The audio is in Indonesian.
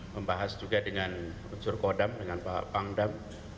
membahas juga dengan unsur kodam dengan pak pangdam